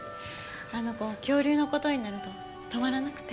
あの子恐竜のことになると止まらなくて。